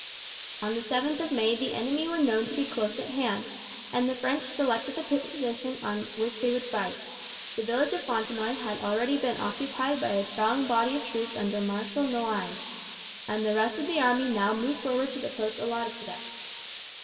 On the 7th of May the enemy were known to be close at hand, and the French selected the position on which they would fight. The village of Fontenoy had already been occupied by a strong body of troops under Marshal Noailles, and the rest of the army now moved forward to the posts allotted to them.